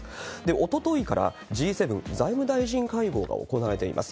おとといからＧ７財務大臣会合が行われています。